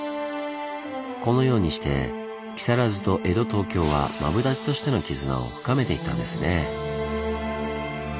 このようにして木更津と江戸・東京はマブダチとしての絆を深めていったんですね。